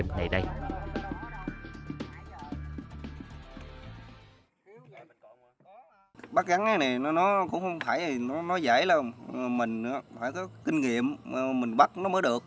mình phải có kinh nghiệm mình bắt nó mới được